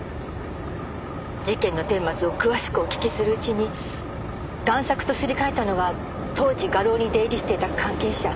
事件の顛末を詳しくお聞きするうちに贋作とすり替えたのは当時画廊に出入りしてた関係者